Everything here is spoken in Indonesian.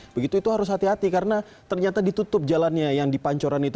begitu itu harus hati hati karena ternyata ditutup jalannya yang di pancoran itu